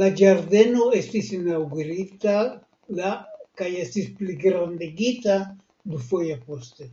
La ĝardeno estis inaŭgurita la kaj estis pligrandigita dufoje poste.